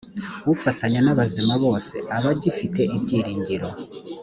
ufatanya n’abazima bose aba agifite ibyiringiro